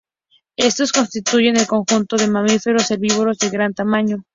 Estos constituyen el conjunto de mamíferos herbívoros de gran tamaño.